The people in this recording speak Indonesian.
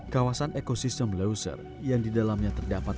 kawasan ekosistem leuser yang didalamnya terdapat